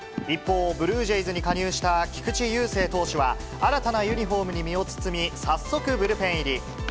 一方、ブルージェイズに加入した菊池雄星投手は、新たなユニホームに身を包み、早速、ブルペン入り。